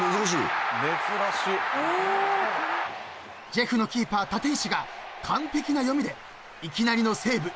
［ジェフのキーパー立石が完璧な読みでいきなりのセーブ。